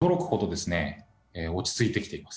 驚くほど落ち着いてきています。